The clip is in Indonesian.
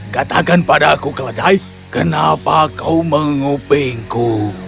katakan pada aku keledai kenapa kau mengupingku